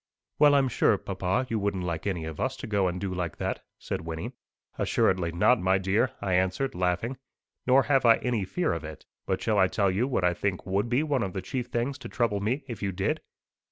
"Well, I'm sure, papa, you wouldn't like any of us to go and do like that," said Wynnie. "Assuredly not, my dear," I answered, laughing. "Nor have I any fear of it. But shall I tell you what I think would be one of the chief things to trouble me if you did?"